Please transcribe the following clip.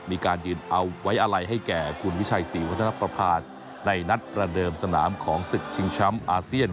มีการยืนเอาไว้อะไรให้แก่คุณวิชัยศรีวัฒนประภาษณในนัดประเดิมสนามของศึกชิงแชมป์อาเซียน